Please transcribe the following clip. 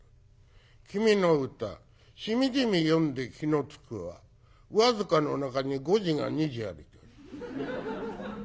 「君の歌しみじみ読んで気のつくは僅かの中に誤字が２字あり」って。